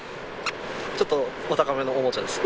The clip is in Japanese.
ちょっとお高めのおもちゃです。